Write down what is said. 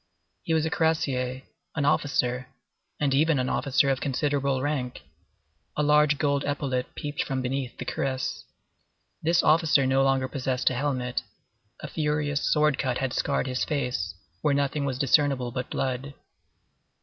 He was a cuirassier, an officer, and even an officer of considerable rank; a large gold epaulette peeped from beneath the cuirass; this officer no longer possessed a helmet. A furious sword cut had scarred his face, where nothing was discernible but blood.